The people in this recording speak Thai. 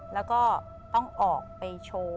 แล้วก็ต้องออกไปโชว์